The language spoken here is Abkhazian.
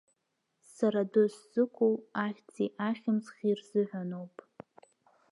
Сара адәы сзықәу ахьӡи ахьымӡӷи рзыҳәаноуп.